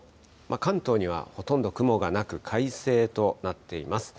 関東にはほとんど雲がなく、快晴となっています。